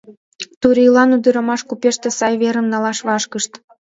Турийлан ӱдырамаш купеште сай верым налаш вашкышт.